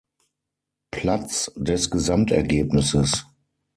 Platz des Gesamtergebnisses.